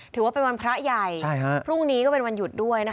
ถือว่าเป็นวันพระใหญ่พรุ่งนี้ก็เป็นวันหยุดด้วยนะคะ